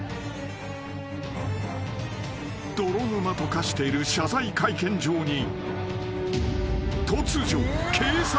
［泥沼と化している謝罪会見場に］